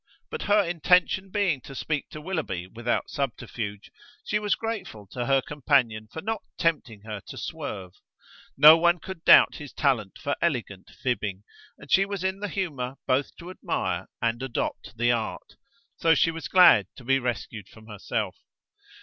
But her intention being to speak to Willoughby without subterfuge, she was grateful to her companion for not tempting her to swerve. No one could doubt his talent for elegant fibbing, and she was in the humour both to admire and adopt the art, so she was glad to be rescued from herself.